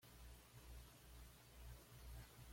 Nunca prepara sus charlas de una manera programática.